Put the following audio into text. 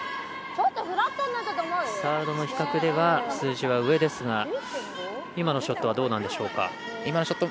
サードの比較では数字は上ですが今のショットはどうなんでしょうか？